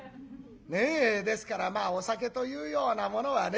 ねえですからお酒というようなものはね